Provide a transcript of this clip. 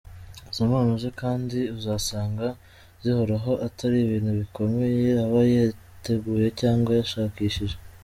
Izo mpano ze kandi uzasanga zihoraho Atari ibintu bikomeye aba yateguye cyangwa yashakishije.